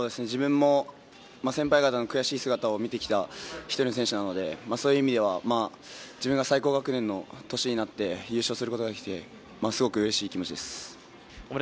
自分も先輩方の悔しい姿を見てきた１人の選手なので、そういう意味では、自分が最高学年の年になって、優勝することができて、すごくうれしい気持ちです。